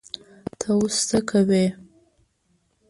ته اوس څه کوې؟